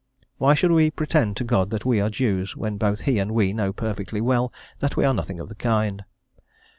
Why should we pretend to God that we are Jews, when both He and we know perfectly well that we are nothing of the kind?